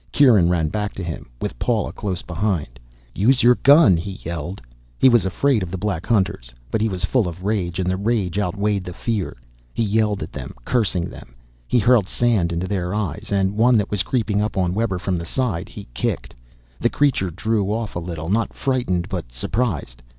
Kieran ran back to him, with Paula close behind. "Use your gun!" he yelled. He was afraid of the black hunters, but he was full of rage and the rage outweighed the fear. He yelled at them, cursing them. He hurled sand into their eyes, and one that was creeping up on Webber from the side he kicked. The creature drew off a little, not frightened but surprised.